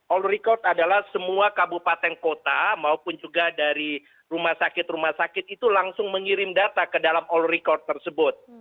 all record adalah semua kabupaten kota maupun juga dari rumah sakit rumah sakit itu langsung mengirim data ke dalam all record tersebut